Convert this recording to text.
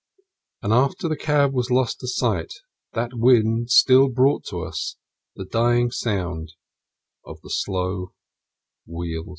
And, after the cab was lost to sight, that wind still brought to us the dying sound of the slow wheels.